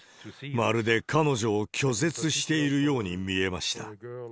まるで彼女を拒絶しているように見えました。